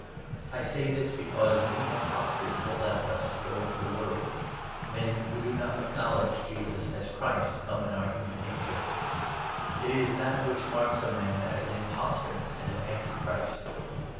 I say this because many 7 impostors have left us to go into the world — men who do not acknowledge Jesus as Christ come in our human nature. It is that which marks a man as an impostor and an anti Christ.